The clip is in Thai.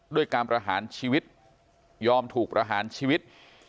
ด้วยการประหารชีวิตยอมถูกประหารชีวิต